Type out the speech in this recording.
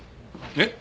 えっ？